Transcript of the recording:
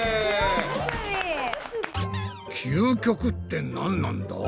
究極ってなんなんだ？